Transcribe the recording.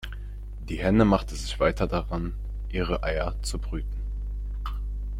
Die Henne machte sich weiter daran, ihre Eier zu brüten.